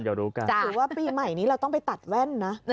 หรือว่าปีใหม่นี้เราต้องไปตัดแว่นนะ